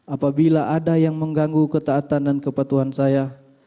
apabila ada yang mengganggu ketaatan dan kepatuhan saya